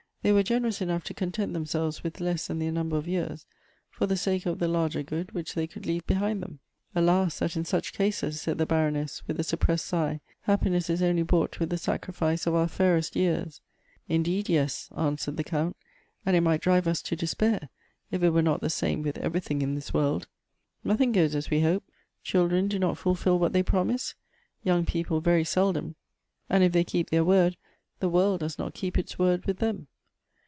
They were generous enough to content themselves with less than their number of years for the sake of the larger good which they could leave behind them." "Alas! that in such cases," said the Baroness, with a suppressed sigh, " happiness is only bought with the sacri fice of our fairest years." " Indeed, yes," answered the Count ;" and it might drive us to despair, if it were not the same with every thing in this world. Nothing goes as wo hope. Children do not fulfil what they promise ; young people very seldom ;— and if they keep their word, the world does not keep its word with them."